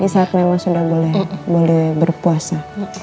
saat memang sudah boleh berpuasa